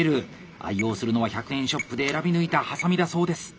愛用するのは１００円ショップで選び抜いたはさみだそうです。